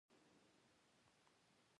ويټامين C د بدن دفاعي سیستم پیاوړئ کوي.